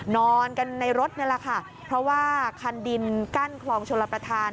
นอนกันในรถนี่แหละค่ะเพราะว่าคันดินกั้นคลองชลประธาน